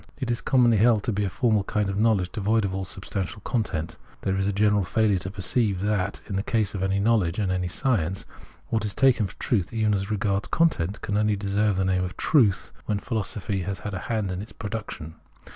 It is commonly held to be a formal kind of knowledge devoid of all substantial content. There is a general failure to perceive that, in the case of any knowledge and any science, what is taken for truth, even as regards content, can only deserve the name of " truth " when philosophy has had a hand in its production.